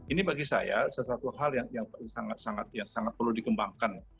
ini bagi saya sesuatu hal yang sangat perlu dikembangkan